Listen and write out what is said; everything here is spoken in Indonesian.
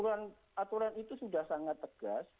aturan itu sudah sangat tegas